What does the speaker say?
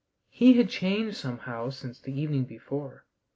He had changed somehow since the evening before.